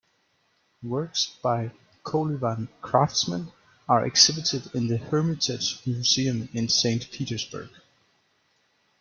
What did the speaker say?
Works by Kolyvan craftsmen are exhibited in the Hermitage Museum in Saint Petersburg.